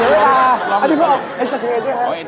อาหารการกิน